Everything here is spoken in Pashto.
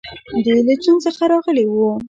دوی له چین څخه راغلي وو